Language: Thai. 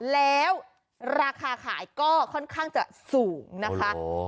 แล้วราคาขายก็ค่อนข้างจะสูงนะคะ